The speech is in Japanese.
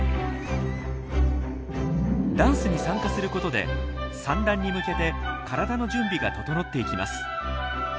ダンスに参加することで産卵に向けて体の準備が整っていきます。